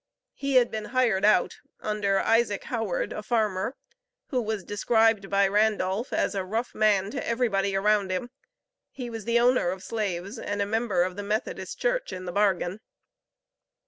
He had been hired out under Isaac Howard, a farmer, who was described by Randolph as "a rough man to everybody around him; he was the owner of slaves, and a member of the Methodist Church, in the bargain."